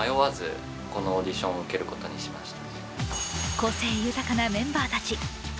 個性豊かなメンバーたち。